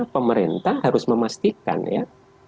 pemerintah harus memastikan ya